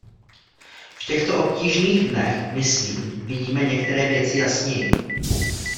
V těchto obtížných dnech, myslím, vidíme některé věci jasněji.